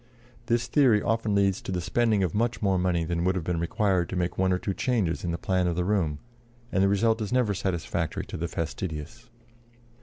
This theory often leads to the spending of much more money than would have been required to make one or two changes in the plan of the room, and the result is never satisfactory to the fastidious.